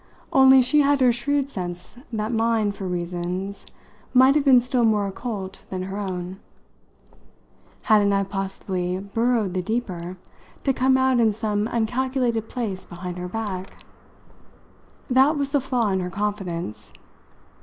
Only she had her shrewd sense that mine, for reasons, might have been still more occult than her own. Hadn't I possibly burrowed the deeper to come out in some uncalculated place behind her back? That was the flaw in her confidence.